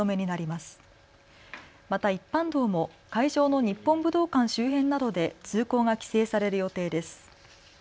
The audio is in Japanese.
また一般道も会場の日本武道館周辺などで通行が規制される予定です。